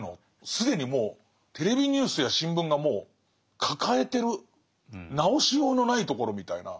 既にもうテレビニュースや新聞がもう抱えてる直しようのないところみたいな。